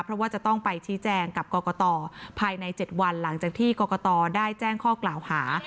เพราะว่าจะต้องไปชี้แจงกับกรกตภายใน๗วันหลังจากที่กรกตได้แจ้งข้อกล่าวหา